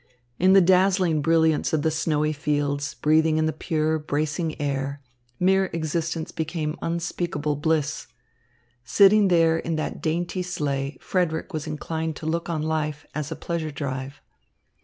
In the dazzling brilliance of the snowy fields, breathing in the pure, bracing air, mere existence became unspeakable bliss. Sitting there in that dainty sleigh Frederick was inclined to look on life as a pleasure drive.